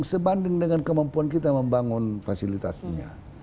sebanding dengan kemampuan kita membangun fasilitasnya